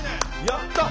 やった。